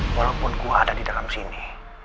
walaupun gua ada di dalam sini